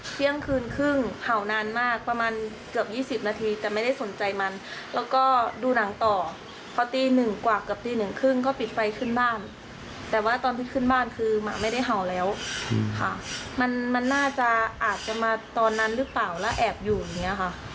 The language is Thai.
จะมาตอนนั้นหรือเปล่าแล้วแอบอยู่อย่างนี้ค่ะ